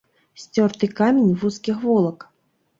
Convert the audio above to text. Сцёрты камень вузкіх вулак.